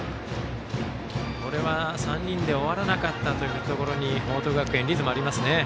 これは、３人で終わらなかったというところに報徳学園、リズムありますね。